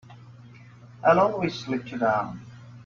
I'll always let you down!